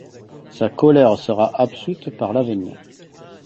Sa colère sera absoute par l’avenir.